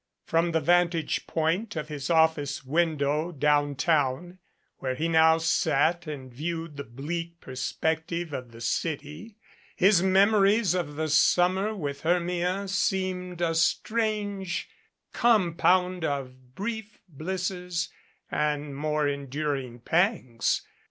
From the vantage point of his office window down town, where he now sat and viewed the bleak perspective of the city, his memories of the summer with Hermia seemed a strange compound of brief blisses and more en during pangs.